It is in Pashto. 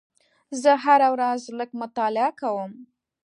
زه هره ورځ لږ مطالعه کوم.